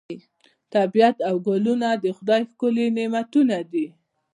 طبیعت او ګلونه د خدای ښکلي نعمتونه دي.